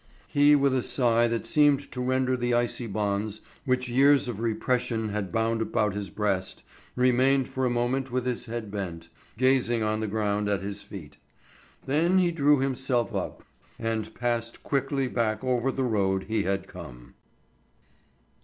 He, with a sigh that seemed to rend the icy bonds which years of repression had bound about his breast, remained for a moment with his head bent, gazing on the ground at his feet. Then he drew himself up, and passed quickly back over the road he had come.